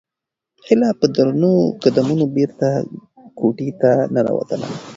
هیله په درنو قدمونو بېرته کوټې ته ننووتله.